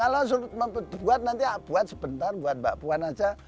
kalau sulit membuat nanti buat sebentar buat mbak puan aja